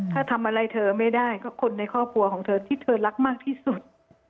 ถ้าทำอะไรเธอไม่ได้ก็คนในครอบครัวของเธอที่เธอรักมากที่สุด